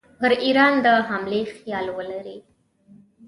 پر ایران د حملې خیال ولري.